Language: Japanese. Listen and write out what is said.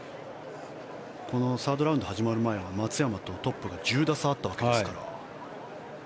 このサードラウンドが始まる前は松山とトップが１０打差あったわけですから。